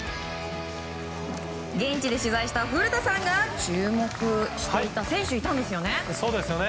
現地で取材した古田さんが注目していた選手がいたんですよね。